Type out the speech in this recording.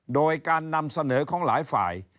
โดยการนำเสนอของหลายฝ่าย